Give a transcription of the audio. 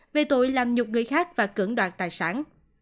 về tội làm nhục người khác và cưỡng đoạt tài sản